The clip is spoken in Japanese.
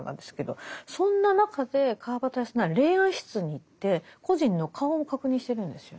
そんな中で川端康成霊安室に行って故人の顔も確認してるんですよね。